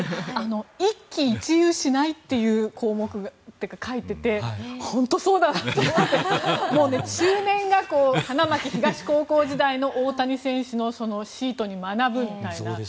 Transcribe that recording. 一喜一憂しないと書いていて本当にそうだなと思って中年が花巻東高校時代の大谷選手のそのシートに学ぶみたいな。